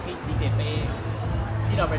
แบบใส่ฟีมเดียวกัน